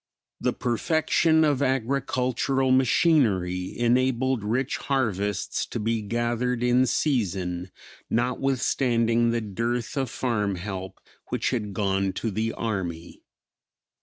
The perfection of agricultural machinery enabled rich harvests to be gathered in season notwithstanding the dearth of farm help which had gone to the army.